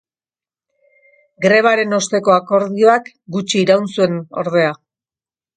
Grebaren osteko akordioak gutxi iraun zuen, ordea.